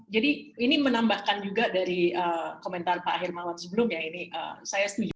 jadi ini menambahkan juga dari komentar pak hermawan sebelum ya ini saya setuju